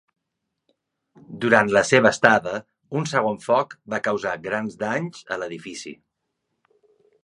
Durant la seva estada un segon foc va causar grans danys a l'edifici.